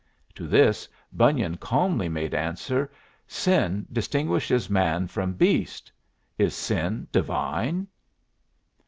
To this Bunyan calmly made answer: "Sin distinguishes man from beast; is sin divine?"